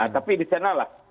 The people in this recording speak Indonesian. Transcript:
tapi di sana lah